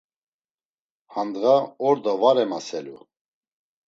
Handğa ordo var emaselu?